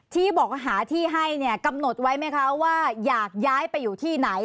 ที่บอกหาที่ให้เนี่ยกำหนดไว้ไหมคะว่าอยากย้ายไปอยู่ที่ไหน